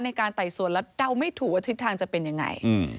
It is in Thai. ไต่สวนแล้วเดาไม่ถูกว่าทิศทางจะเป็นยังไง